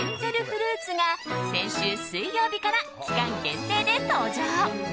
フルーツが先週水曜日から期間限定で登場。